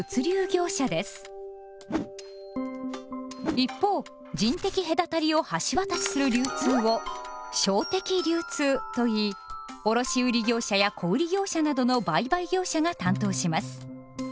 一方人的隔たりを橋渡しする流通を「商的流通」といい卸売業者や小売業者などの売買業者が担当します。